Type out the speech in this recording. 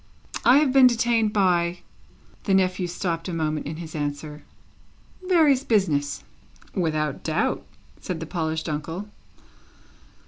"I have been detained by" the nephew stopped a moment in his answer "various business." "Without doubt," said the polished uncle.